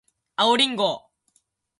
青りんご